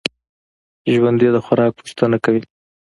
ژوندي د خوراک پوښتنه کوي